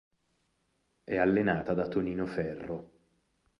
È allenata da Tonino Ferro.